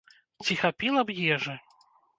Ці хапіла б ежы?